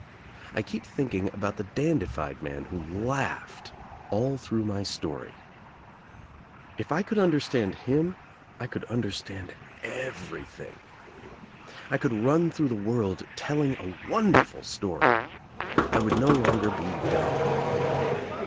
I keep thinking about the dandified man who laughed all through my story. THE TRIUMPH OF THE EGG If I could understand him I could understand every thing. I could run through the world telling a wonderful story. I would no longer be dumb.